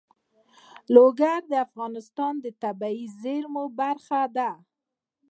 لوگر د افغانستان د طبیعي زیرمو برخه ده.